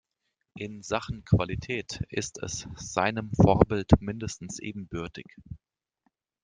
In Sachen Qualität ist es seinem Vorbild mindestens ebenbürtig.